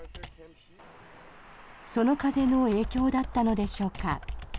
その風の影響だったのでしょうか。